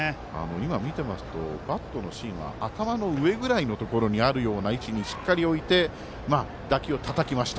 今、見ていますとバットの芯が頭の上ぐらいにある位置にしっかり置いて打球をたたきました。